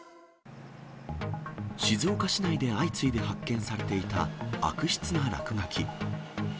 静岡市内で相次いで発見されていた悪質な落書き。